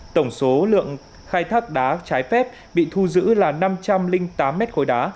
tổng số lượng khai thác đá trái phép bị thu giữ là năm trăm linh tám mét khối đá